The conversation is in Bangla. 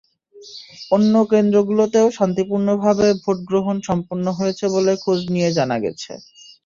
অন্য কেন্দ্রগুলোতেও শান্তিপূর্ণভাবে ভোট গ্রহণ সম্পন্ন হয়েছে বলে খোঁজ নিয়ে জানা গেছে।